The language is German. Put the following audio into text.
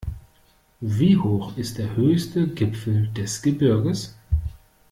Wie hoch ist der höchste Gipfel des Gebirges?